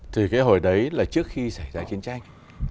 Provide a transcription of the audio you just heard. thì cái hồi đấy là trước khi xảy ra chiến tranh